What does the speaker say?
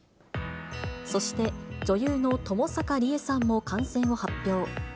そして、女優のともさかりえさんも感染を発表。